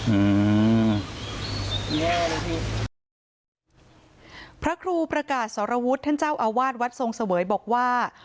อืมแย่เลยพี่พระครูประกาศสรวุฒิท่านเจ้าอาวาสวัดทรงเสวยบอกว่า